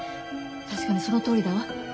確かにそのとおりだわ。